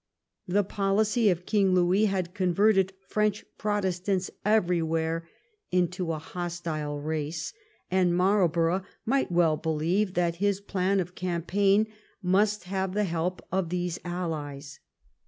The policy of King Louis had con verted French Protestants everywhere into a hostile race, and Marlborough might well believe that his plan of campaign must have the help of these al lies.